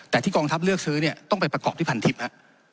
แต่ที่กองทัพเลือกซื้อเนี่ยต้องไปประกอบที่พันทิพย์ฮะ